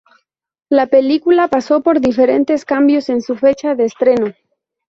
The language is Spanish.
La película pasó por diferentes cambios en su fecha de estreno.